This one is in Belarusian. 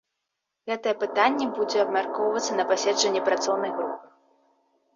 Гэтае пытанне будзе абмяркоўвацца на паседжанні працоўнай групы.